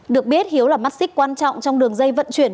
được biết hiếu là mắt xích quan trọng trong đường dây vận chuyển